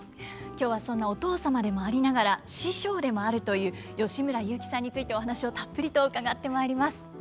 今日はそんなお父様でもありながら師匠でもあるという吉村雄輝さんについてお話をたっぷりと伺ってまいります。